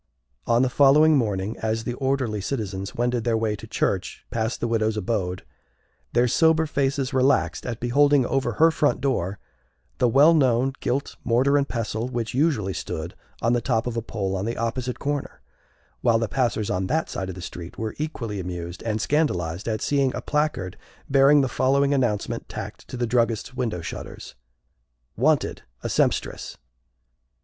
On the following morning, as the orderly citizens wended their way to church past the widow's abode, their sober faces relaxed at beholding over her front door the well known gilt Mortar and Pestle which usually stood on the top of a pole on the opposite corner; while the passers on that side of the street were equally amused and scandalized at seeing a placard bearing the following announcement tacked to the druggist's window shutters: Wanted, a Sempstress!